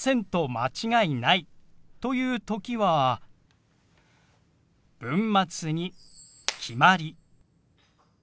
間違いないと言う時は文末に「決まり」。